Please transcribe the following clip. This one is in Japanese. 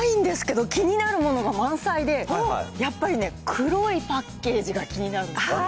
ないんですけど、気になるものが満載で、やっぱりね、黒いパッケージが気になるんです。